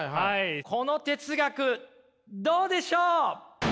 この哲学どうでしょう？